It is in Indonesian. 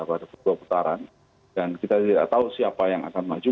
pada kedua putaran dan kita tidak tahu siapa yang akan maju